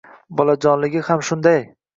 Bolajonligi ham shunday